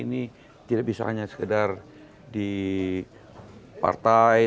ini tidak bisa hanya sekedar di partai